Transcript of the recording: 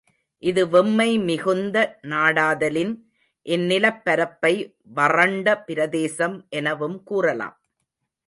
இது வெம்மை மிகுந்த நாடாதலின், இந்நிலப் பரப்பை வறண்ட பிரதேசம் எனவும் கூறலாம்.